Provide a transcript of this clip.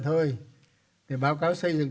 thôi thì báo cáo xây dựng